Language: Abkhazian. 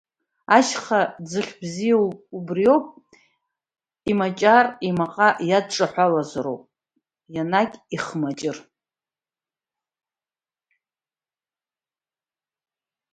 Ашьха ӡыхь бзиа, убриоуп имаҷар, имаҟа иадҿаҳәалоуп ианагь ихмаҷыр.